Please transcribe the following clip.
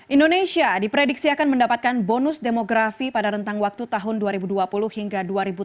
indonesia diprediksi akan mendapatkan bonus demografi pada rentang waktu tahun dua ribu dua puluh hingga dua ribu tiga puluh